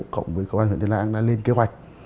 cộng với cơ quan huyện tây lãng đã lên kế hoạch